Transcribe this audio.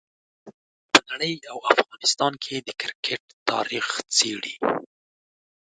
په نړۍ او افغانستان کې د کرکټ تاریخ څېړي.